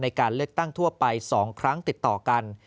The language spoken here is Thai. ในการเลือกตั้งทั่วไป๒ครั้งติดต่อกัน